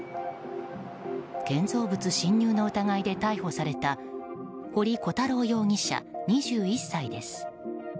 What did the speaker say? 建造物侵入の疑いで逮捕された堀鼓太郎容疑者、２１歳です。